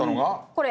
これ。